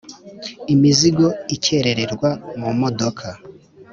Imizigo ikerererwa mu modoka,